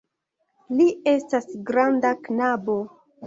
Li estas granda knabo.